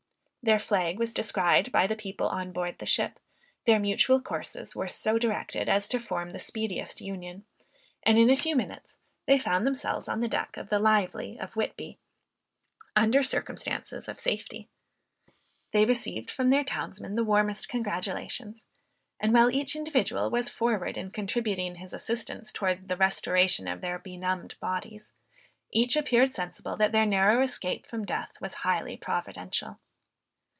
Their flag was descried by the people on board the ship, their mutual courses were so directed as to form the speediest union, and in a few minutes they found themselves on the deck of the Lively of Whitby, under circumstances of safety! They received from their townsmen the warmest congratulations; and while each individual was forward in contributing his assistance towards the restoration of their benumbed bodies, each appeared sensible that their narrow escape from death was highly providential.